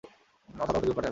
সাদামাটা জীবন কাটাই আমি।